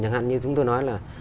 chẳng hạn như chúng tôi nói là